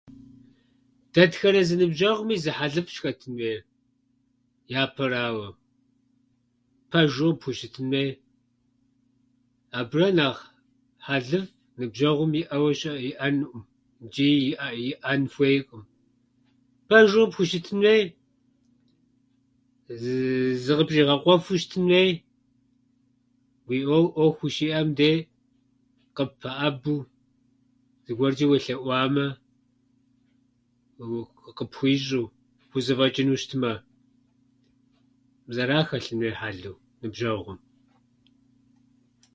Дэтхэнэ зы ныбжьэгъуми зы хьэлыфӏщ хэтъын хуейр, япэрауэ. Пэжу къыпхущытын хуей. Абы нэ нэхъ хьэлыфӏ ныбжьэгъум иӏэуэ щы-ӏэнӏым ичӏи иӏэ- иӏэн хуейкъым. Пэжу къыпхущытын хуей, зы- зыкъыпщӏигъэкъуэфу щытын хуей, уи ӏуэ- ӏуэху ущиӏэм дей къыппэӏэбэу, зыгуэрчӏи уелъэӏуамэ, у- къыпхуищӏэу, хузэфӏэчӏыну щытмэ. Мис ара хэлъын хуер хьэлу ныбжьэгъум.